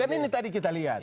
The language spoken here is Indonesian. kan ini tadi kita lihat